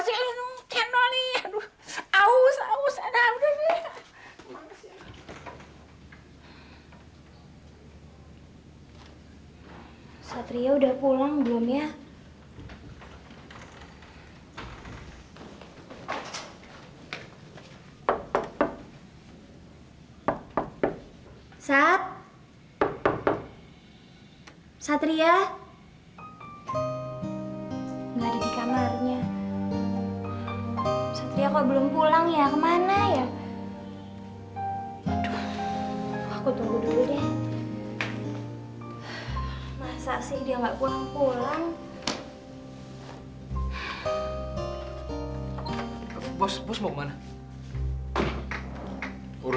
selamat pak sampi